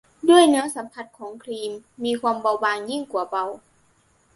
ด้วยเนื้อสัมผัสของครีมมีความบางเบายิ่งกว่าเบา